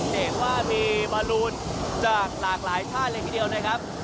จะเห็นว่ามีบอลลูนจากหลากหลายชาติเลยทีเดียวนะครับ